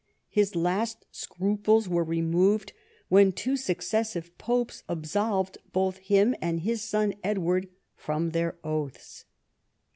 His last scruples were removed when two successive popes absolved both him and his son Edward from their oaths.